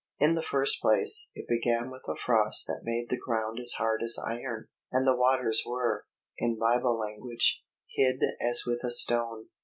In the first place, it began with a frost that made the ground as hard as iron, and the waters were, in Bible language, "hid as with a stone."